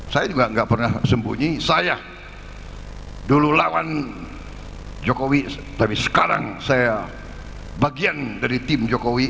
saya juga nggak pernah sembunyi saya dulu lawan jokowi tapi sekarang saya bagian dari tim jokowi